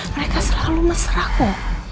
mereka selalu mesra ko